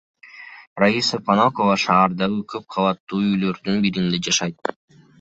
Раиса Понакова шаардагы көп кабаттуу үйлөрдүн биринде жашайт.